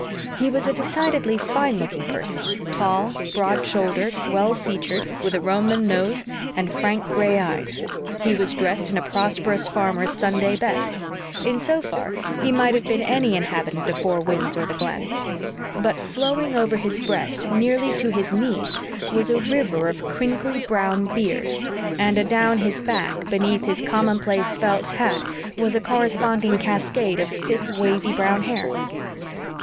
He was a decidedly fine looking person tall, broad shouldered, well featured, with a Roman nose and frank gray eyes; he was dressed in a prosperous farmer's Sunday best; in so far he might have been any inhabitant of Four Winds or the Glen. But, flowing over his breast nearly to his knees, was a river of crinkly brown beard; and adown his back, beneath his commonplace felt hat, was a corresponding cascade of thick, wavy, brown hair.